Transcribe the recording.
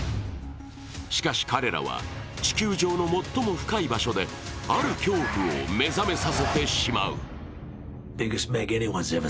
しかし、彼らは地球上の最も深い場所である恐怖を目覚めさせてしまう。